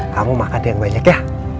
kamu makan yang banyak ya